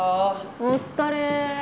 お疲れ。